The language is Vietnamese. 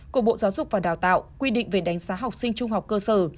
của bộ giáo dục và đào tạo quy định về đánh giá học sinh trung học cơ sở